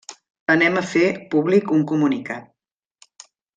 Anem a fer públic un comunicat.